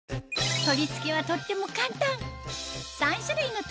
取り付けはとっても簡単！